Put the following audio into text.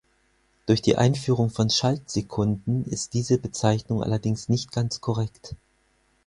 Durch die Einführung von Schaltsekunden ist diese Bezeichnung allerdings nicht ganz korrekt.